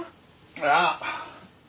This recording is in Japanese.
ああ。